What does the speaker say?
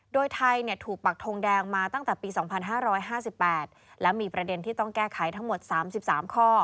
โดยไทยถูกปักทงแดงมาตั้งแต่ปี๒๕๕๘และมีประเด็นที่ต้องแก้ไขทั้งหมด๓๓ข้อ